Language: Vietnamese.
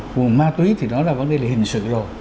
nguồn ma túy thì đó là vấn đề là hình sự rồi